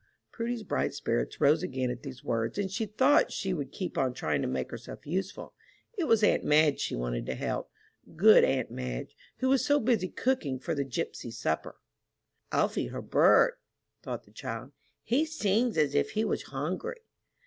Prudy's bright spirits rose again at these words, and she thought she would keep on trying to make herself useful. It was aunt Madge she wanted to help good aunt Madge, who was so busy cooking for the gypsy supper. [Illustration: PRUDY DUSTING.] "I'll feed her bird," thought the child; "he sings as if he was hungry."